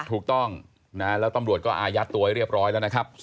ถูกต้องนะแล้วตำรวจก็อายัดตัวให้เรียบร้อยแล้วนะครับ